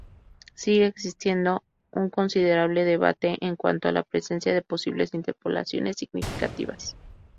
Sigue existiendo un considerable debate en cuanto a la presencia de posibles interpolaciones significativas.